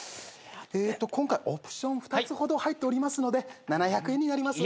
今回オプション２つほど入っておりますので７００円になります。